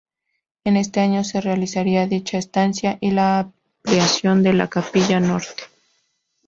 En este año se realizaría dicha estancia y la ampliación de la capilla norte.